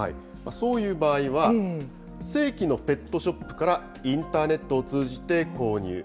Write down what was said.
そういう場合は、正規のペットショップからインターネットを通じて購入。